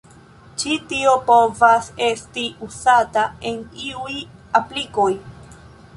Ĉi tio povas esti uzata en iuj aplikoj.